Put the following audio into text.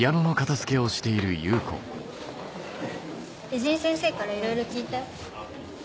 美人先生からいろいろ聞いたよ。